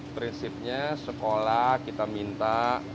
prinsipnya sekolah kita minta